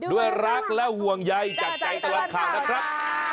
ด้วยรักและห่วงใยจากใจตลอดข่าวนะครับ